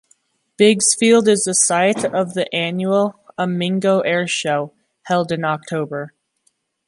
Biggs Field is the site of the annual "Amigo Airshow", held in October.